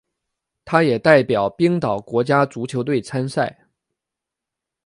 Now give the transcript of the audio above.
他也代表冰岛国家足球队参赛。